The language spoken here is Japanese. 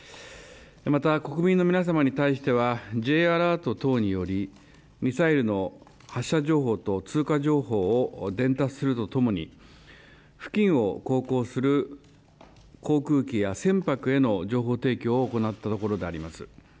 また、国民の皆様に対してはＪアラート等により、ミサイルの発射情報と通過情報を伝達するとともに、付近を航行する航空機や船舶への情報提供を行ったところであります。